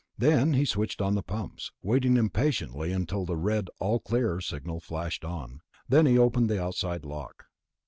Then he switched on the pumps, waiting impatiently until the red "all clear" signal flashed on. Then he opened the outside lock.